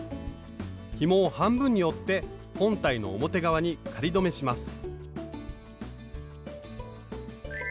ひもを半分に折って本体の表側に仮留めします